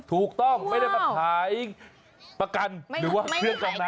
ถูกต้องไม่ได้มาขายประกันหรือว่าเครื่องกองน้ำ